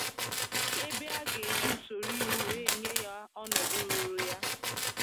ebe a ga-eji usoro iwu wee nye ha ọnọdụ ruuru ha